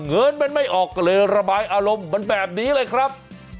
เงินมันไม่ออกก็เลยระบายอารมณ์มันแบบนี้เลยครับ